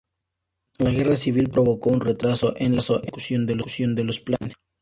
La Guerra Civil provocó un retraso en la ejecución de los planes.